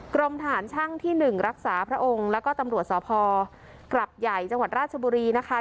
กรมทหารช่างที่หนึ่งรักษาพระองค์แล้วก็ตำลวดสอบภอร์กลับใหญ่จังหวัดราชบุรีนะคะ